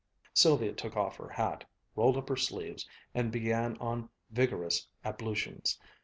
Sylvia took off her hat, rolled up her sleeves, and began on vigorous ablutions.